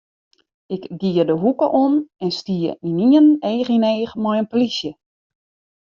Ik gie de hoeke om en stie ynienen each yn each mei in polysje.